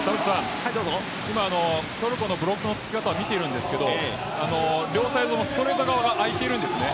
今トルコのブロックのつき方を見ているんですけど両サイドのストレート側が空いているんです。